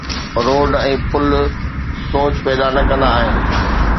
Road ۽ پل سوچ پيدا نه ڪندا آهن.